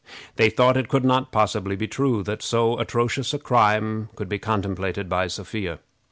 They thought it could not possibly be true that so atrocious a crime could be contemplated by Sophia.